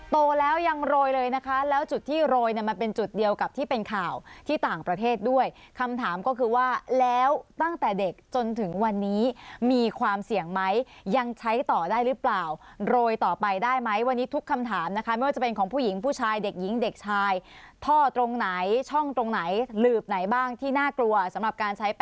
โตแล้วยังโรยเลยนะคะแล้วจุดที่โรยเนี่ยมันเป็นจุดเดียวกับที่เป็นข่าวที่ต่างประเทศด้วยคำถามก็คือว่าแล้วตั้งแต่เด็กจนถึงวันนี้มีความเสี่ยงไหมยังใช้ต่อได้หรือเปล่าโรยต่อไปได้ไหมวันนี้ทุกคำถามนะคะไม่ว่าจะเป็นของผู้หญิงผู้ชายเด็กหญิงเด็กชายท่อตรงไหนช่องตรงไหนหลืบไหนบ้างที่น่ากลัวสำหรับการใช้